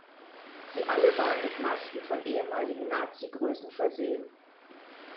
Sie alle waren mit Masken von ehemaligen Nazigrößen versehen.